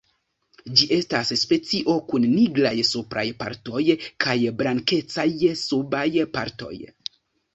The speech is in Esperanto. Ĝi estas specio kun nigraj supraj partoj kaj blankecaj subaj partoj.